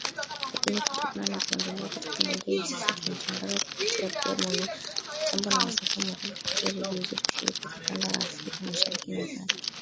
Lakini kutokana na kuendelea kwa teknolojia hivi sasa tunatangaza kupitia pia kwenye mitambo ya masafa marefu kupitia redio zetu shirika za kanda ya Afrika Mashariki na Kati